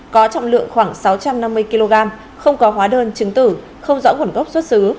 có trọng lượng khoảng sáu trăm năm mươi kg không có hóa đơn chứng tử không rõ nguồn gốc xuất xứ